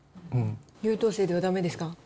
優等生ではだめですか？